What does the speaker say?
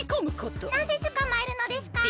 なぜつかまえるのですか？